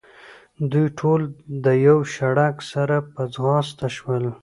دوی ټول د یوه شړک سره په ځغاسته شول.